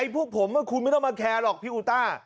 พวกผมคุณไม่ต้องมาแคร์หรอกพี่อูต้า